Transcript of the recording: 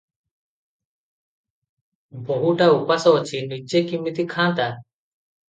ବୋହୂଟା ଉପାସ ଅଛି, ନିଜେ କିମିତି ଖାନ୍ତା?